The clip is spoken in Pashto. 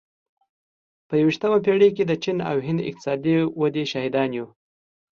په یوویشتمه پېړۍ کې د چین او هند د اقتصادي ودې شاهدان یو.